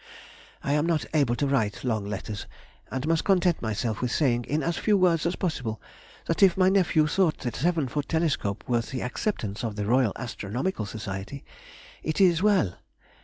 I am not able to write long letters, and must content myself with saying, in as few words as possible, that if my nephew thought the seven foot telescope worth the acceptance of the Royal Astronomical Society, it is well!...